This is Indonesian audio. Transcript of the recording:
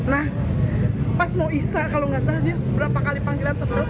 nah pas mau isa kalau nggak salah dia berapa kali panggilan sebelum